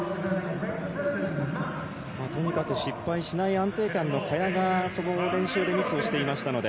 とにかく失敗しない安定感の萱が練習でミスをしていましたので。